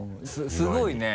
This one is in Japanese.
すごいね。